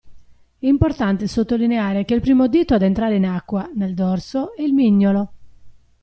Importante sottolineare che il primo dito ad entrare in acqua, nel dorso, è il mignolo.